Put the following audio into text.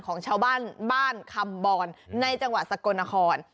ของชาวบ้านบ้านคำบรในจังหวัดสกลนคร